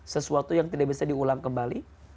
sesuatu yang tidak bisa diulang kembali